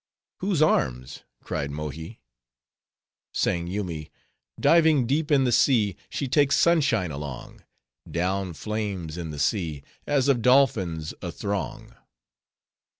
"Whose arms?" cried Mohi. Sang Yoomy:— Diving deep in the sea, She takes sunshine along: Down flames in the sea, As of dolphins a throng.